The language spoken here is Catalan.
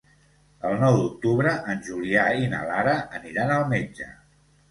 El nou d'octubre en Julià i na Lara aniran al metge.